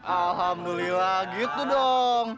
alhamdulillah gitu dong